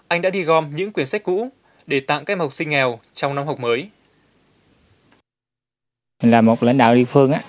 anh đã đi gom những quyển sách cũ để tặng các em học sinh nghèo trong năm học mới